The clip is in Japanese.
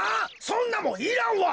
そんなもんいらんわ！